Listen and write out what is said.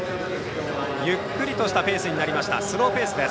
ゆっくりとしたペースになりましたスローペース。